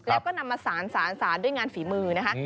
แล้วก็นำมาสารด้วยงานฝีมือนะคะ